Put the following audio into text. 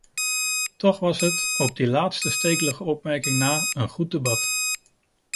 Toch was het, op die laatste stekelige opmerkingen na, een goed debat.